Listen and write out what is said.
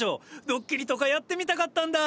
ドッキリとかやってみたかったんだ。